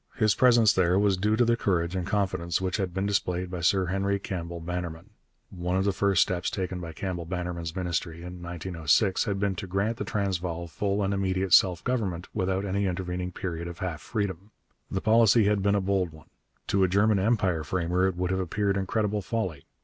His presence there was due to the courage and confidence which had been displayed by Sir Henry Campbell Bannerman. One of the first steps taken by Campbell Bannerman's Ministry in 1906 had been to grant to the Transvaal full and immediate self government without any intervening period of half freedom. The policy had been a bold one. To a German empire framer it would have appeared incredible folly.